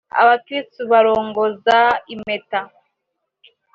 abakirisitu barongoza impeta